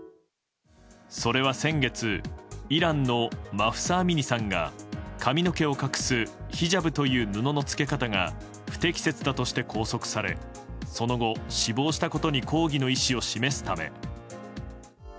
それは先月イランのマフサ・アミニさんが髪の毛を隠すヒジャブという布の着け方が不適切だとして拘束されその後、死亡したことに抗議の意思を示すため。